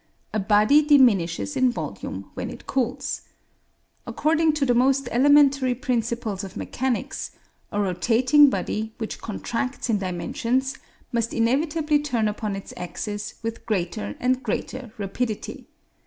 A body diminishes in volume when it cools. According to the most elementary principles of mechanics, a rotating body which contracts in dimensions must inevitably turn upon its axis with greater and greater rapidity.